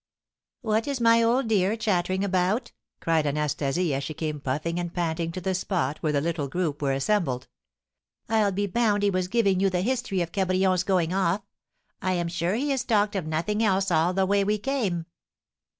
"What is my old dear chattering about?" cried Anastasie, as she came puffing and panting to the spot where the little group were assembled; "I'll be bound he was giving you the history of Cabrion's going off I'm sure he has talked of nothing else all the way we came."